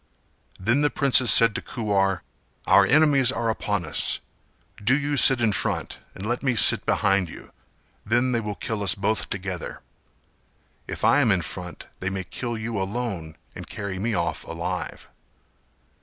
Then the princess said to Kuwar "Our enemies are upon us; do you sit in front and let me sit behind you, then they will kill us both together. If I am in front they may kill you alone and carry me off alive."